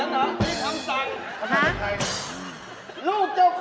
โปรดติดตามตอนต่อไป